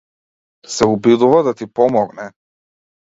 Се обидува да ти помогне.